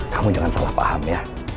kamu jangan salah paham ya